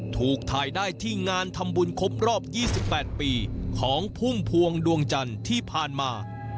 ถูกถ่ายได้ที่งานทำบุญครบรอบ๒๘ปีของพุ่มพวงดวงจันทร์ที่ผ่านมา